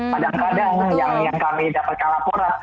kadang kadang yang kami dapatkan laporan